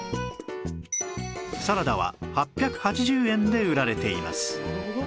サラダは８８０円で売られています